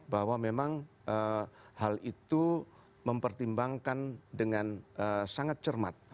bahwa memang hal itu mempertimbangkan dengan sangat cermat